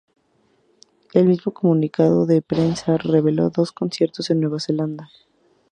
El mismo comunicado de prensa reveló dos conciertos en Nueva Zelanda.